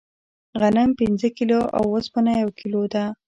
غنم پنځه کیلو او اوسپنه یو کیلو ده.